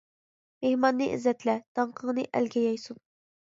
مېھماننى ئىززەتلە، داڭقىڭنى ئەلگە يايسۇن.